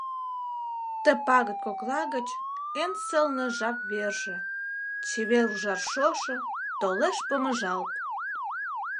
Ты пагыт кокла гыч Эн сылне жап-верже — Чевер ужар шошо — Толеш помыжалт!